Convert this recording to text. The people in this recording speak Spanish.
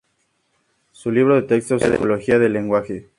Su libro de texto "Psicología del lenguaje.